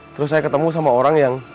terus saya ketemu sama orang yang